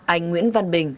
anh nguyễn văn bình